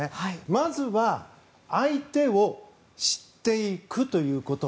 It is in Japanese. まずは相手を知っていくということ。